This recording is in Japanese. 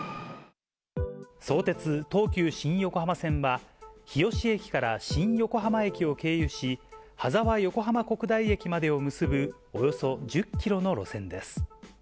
相鉄・東急新横浜線は、日吉駅から新横浜駅を経由し、羽沢横浜国大駅までを結ぶおよそ１０キロの路線です。